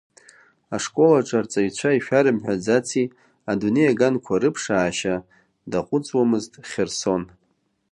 Ашкол аҿы арҵаҩцәа ишәарымҳәаӡаци адунеи аганқәа рыԥшаашьа, даҟәыҵуамызт Хьырсон.